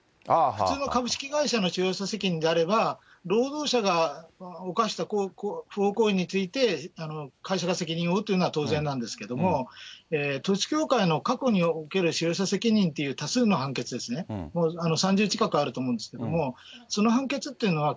普通の株式会社の使用者責任であれば、労働者が犯した不法行為について、会社が責任を負うというのは当然なんですけれども、統一教会の過去における使用者責任という多数の判決ですね、３０近くあると思うんですけれども、その判決っていうのは、